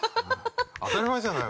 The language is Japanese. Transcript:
当たり前じゃない。